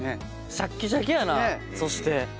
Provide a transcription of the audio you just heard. シャッキシャキやなそして。